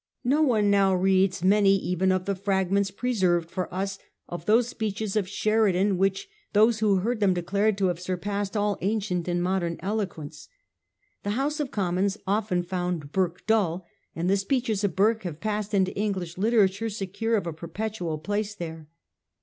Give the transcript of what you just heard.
Ho one now reads many even of the fragments pre served for us of those speeches of Sheridan which those who heard them declared to have surpassed all ancient and modem eloquence. The House of Com mons often found Burke dull, and the speeches of Burke have passed into English literature secure of a perpetual place there.